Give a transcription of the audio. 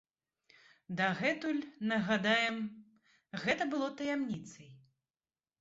Дагэтуль, нагадаем, гэта было таямніцай.